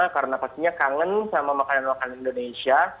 karena pastinya kangen sama makanan makanan indonesia